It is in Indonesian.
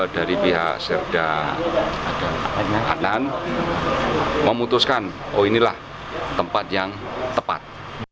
dari pihak serda anan memutuskan oh inilah tempat yang tepat